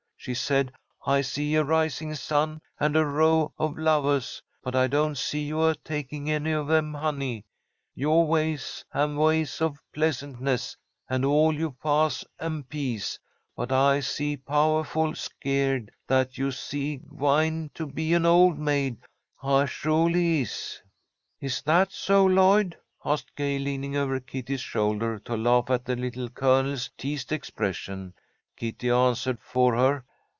She said, 'I see a rising sun, and a row of lovahs, but I don't see you a taking any of 'em, honey. Yo' ways am ways of pleasantness and all yo' paths am peace, but I'se powahful skeered dat you'se gwine to be an ole maid. I sholy is.'" "Is that so, Lloyd?" asked Gay, leaning over Kitty's shoulder to laugh at the Little Colonel's teased expression. Kitty answered for her.